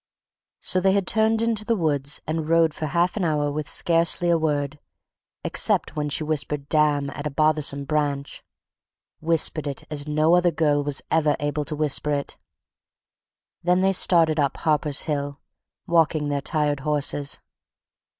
So they had turned into the woods and rode for half an hour with scarcely a word, except when she whispered "Damn!" at a bothersome branch—whispered it as no other girl was ever able to whisper it. Then they started up Harper's Hill, walking their tired horses.